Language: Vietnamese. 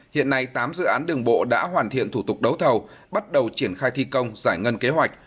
hiện nay tám dự án đường bộ đã hoàn thiện thủ tục đấu thầu bắt đầu triển khai thi công giải ngân kế hoạch